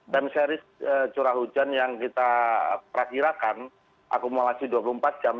time series curah hujan yang kita perakirakan akumulasi dua puluh empat jam